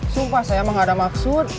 sumpah saya emang gak ada maksud